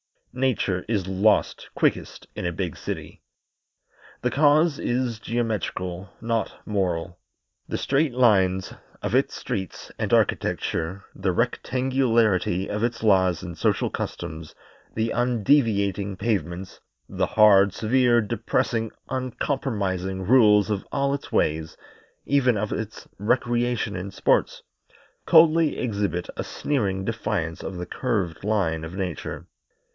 Nature is lost quickest in a big city. The cause is geometrical, not moral. The straight lines of its streets and architecture, the rectangularity of its laws and social customs, the undeviating pavements, the hard, severe, depressing, uncompromising rules of all its ways even of its recreation and sports coldly exhibit a sneering defiance of the curved line of Nature.